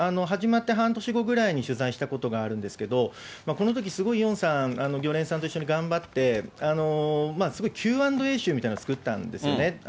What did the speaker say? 始まって半年後ぐらいに取材したことがあるんですけど、このとき、すごいイオンさん、漁連さんと一緒に頑張って、すごいＱ＆Ａ集みたいなのを作ったんですよね。